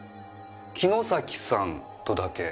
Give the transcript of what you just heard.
城崎さんとだけ。